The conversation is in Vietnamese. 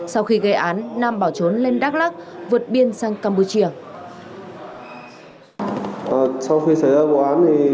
sau khi gây án nam bỏ trốn lên đắk lắc vượt biên sang campuchia